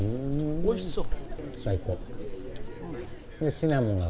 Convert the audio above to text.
おいしそう。